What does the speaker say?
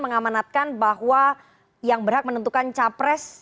mengamanatkan bahwa yang berhak menentukan capres